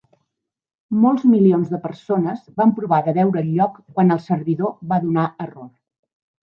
Molts milions de persones van provar de veure el lloc quan el servidor va donar error.